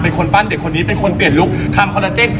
เป็นคนปั้นเด็กคนอีกแบบนึงเป็นคนเปลี่ยนลุค